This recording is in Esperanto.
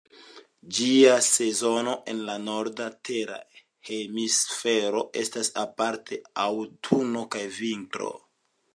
Ĝia sezono en la norda tera hemisfero estas aparte aŭtuno kaj vintro.